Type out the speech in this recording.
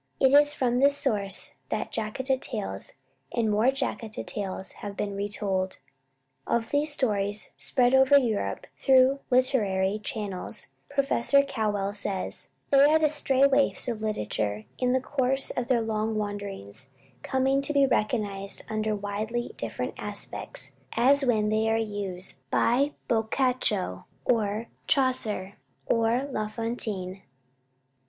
It is from this source that "Jataka Tales" and "More Jataka Tales" have been retold. Of these stories, spread over Europe through literary channels, Professor Cowell says, "They are the stray waifs of literature, in the course of their long wanderings coming to be recognized under widely different aspects, as when they are used by Boccaccio, or Chaucer, or La Fontaine."